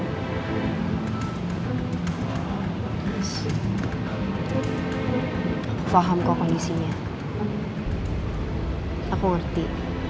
aku paham kok kondisinya aku ngerti